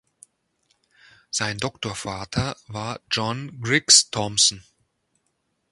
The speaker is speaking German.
Sein Doktorvater war John Griggs Thompson.